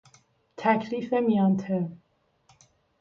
تکلیف میان ترم